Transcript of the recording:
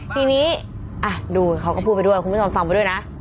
ที่นี้เดี๋ยวเขาก็พูดไปด้วยครับคุณผู้ชมฟังไปด้วยนะ